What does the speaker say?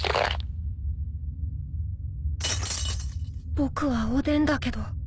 僕はおでんだけど